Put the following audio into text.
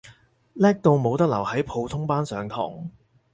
叻到冇得留喺普通班上堂